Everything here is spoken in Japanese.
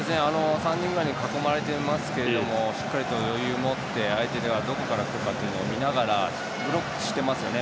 ３人ぐらいに囲まれてますけどしっかりと余裕を持って相手には、どこから来るかっていうのを見ながらブロックしてますよね。